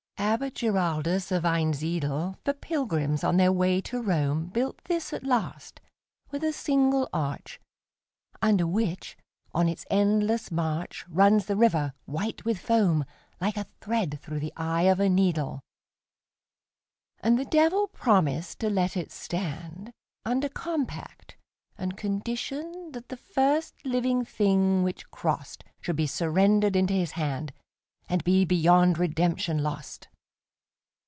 Abbot Giraldus of Einsiedel, For pilgrims on their way to Rome, Built this at last, with a single arch, Under which, on its endless march, Runs the river, white with foam, Like a thread through the eye of a needle. And the Devil promised to let it stand, Under compact and conditionThat the first living thing which crossedShould be surrendered into his hand, And be beyond redemption lost.